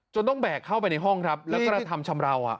ต้องแบกเข้าไปในห้องครับแล้วก็กระทำชำราว